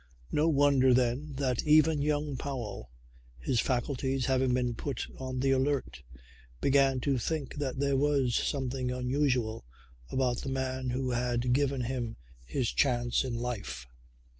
No wonder then that even young Powell, his faculties having been put on the alert, began to think that there was something unusual about the man who had given him his chance in life.